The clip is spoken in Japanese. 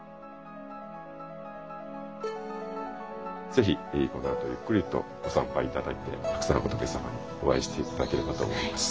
是非このあとゆっくりとご参拝頂いてたくさん仏様にお会いして頂ければと思います。